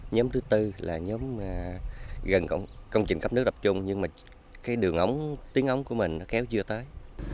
nhóm thứ tư là nhóm gần công trình cấp nước đập trung nhưng đường ống tuyến ống của mình kéo chưa tới